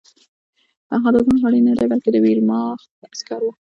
هغه د ګوند غړی نه دی بلکې د ویرماخت عسکر و